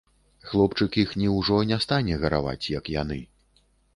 Хлопчык іхні ўжо не стане гараваць, як яны.